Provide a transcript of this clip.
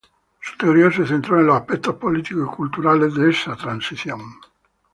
Su teoría se centró en los aspectos políticos y culturales de esa transición.